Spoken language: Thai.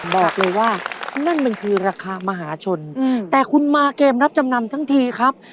บอกเลยว่านั่นมันคือราคามหาชนแต่คุณมาเกมรับจำนำทั้งทีครับ